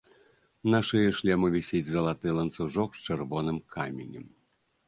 На шыі шлему вісіць залаты ланцужок з чырвоным каменем.